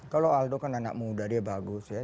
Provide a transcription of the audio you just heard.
kalau aldo kan anak muda dia bagus ya